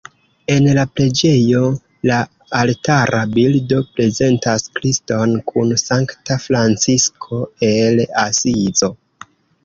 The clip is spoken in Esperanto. En la preĝejo la altara bildo prezentas Kriston kun Sankta Francisko el Asizo.